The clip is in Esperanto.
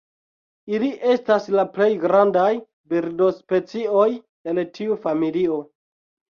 Ili estas la plej grandaj birdospecioj el tiu familio.